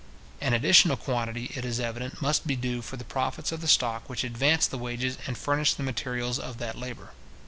An additional quantity, it is evident, must be due for the profits of the stock which advanced the wages and furnished the materials of that labour.